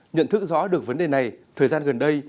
nhận thức rõ được vấn đề này thời gian gần đây